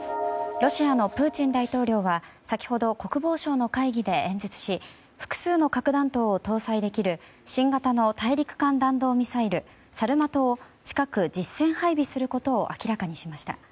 ロシアのプーチン大統領は先ほど国防省の会議で演説し複数の核弾頭を搭載できる新型の大陸間弾道ミサイルサルマトを近く、実戦配備することを明らかにしました。